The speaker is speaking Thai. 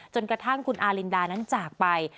จนกระทั่งคุณอารินดานั้นจากไป